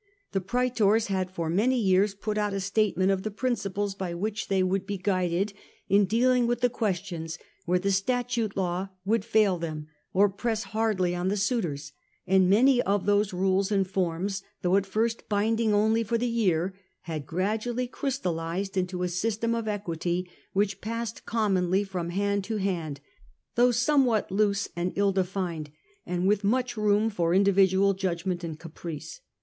The praetors had for many years put out a state ment of the principles by which they would be guidec in dealing with the questions where the statute law would fail them or press hardly on the suitors, and many of these rules and forms, though at first binding only for the year, had gradually crystallised into a system of equity, which passed commonly from hand to hand, though somewhat loose and ill defined, and with much room for individual judgment and caprice.